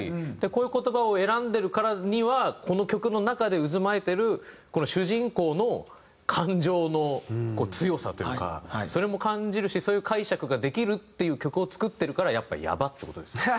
こういう言葉を選んでるからにはこの曲の中で渦巻いてるこの主人公のそれも感じるしそういう解釈ができるっていう曲を作ってるからやっぱり「やばっ！」って事ですよ。